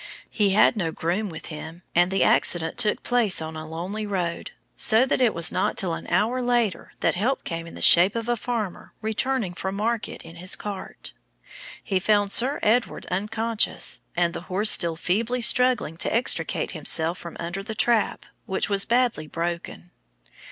He had no groom with him, and the accident took place on a lonely road, so that it was not till an hour later that help came, in the shape of a farmer returning from market in his cart. He found Sir Edward unconscious, and the horse still feebly struggling to extricate himself from under the trap, which was badly broken.